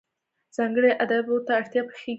ځانګړو آدابو ته اړتیا پېښېږي.